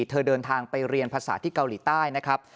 เดินทางไปเรียนภาษาที่เกาหลีใต้นะครับ